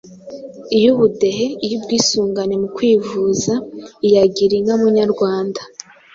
iy’ubudehe, iy’ubwisungane mu kwivuza, iya Gira inka Munyarwanda,